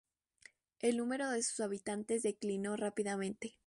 El número de su habitantes declinó rápidamente.